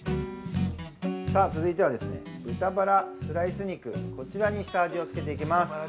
◆さあ、続いてはですね、豚バラスライス肉、こちらに下味をつけていきます。